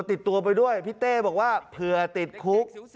ติดตัวไปด้วยพี่เต้บอกว่าเผื่อติดคุก